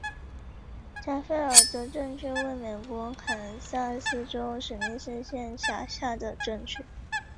加菲尔德镇区为美国堪萨斯州史密斯县辖下的镇区。